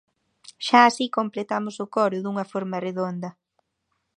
Xa así completamos o coro dunha forma redonda.